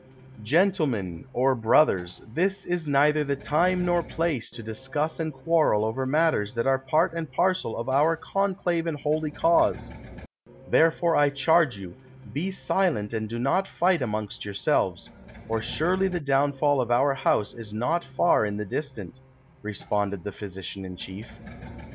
"Gentlemen, or brothers, this is neitlier the time nor place to discuss and quarrel over matters that are part and parcel of our conclave and holy cause ; therefore I charge you, be silent and do not fight amongst yourselves, or surely the downfall of our house is not far in the distant," responded the physician in chief.